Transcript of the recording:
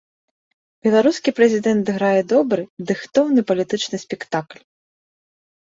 Беларускі прэзідэнт грае добры, дыхтоўны палітычны спектакль.